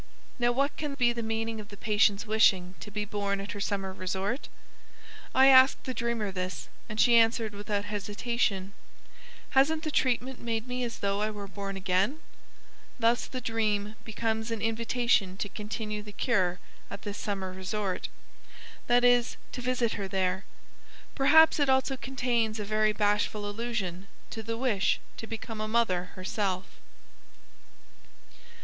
Now what can be the meaning of the patient's wishing to be born at her summer resort? I asked the dreamer this, and she answered without hesitation: "Hasn't the treatment made me as though I were born again?" Thus the dream becomes an invitation to continue the cure at this summer resort, that is, to visit her there; perhaps it also contains a very bashful allusion to the wish to become a mother herself.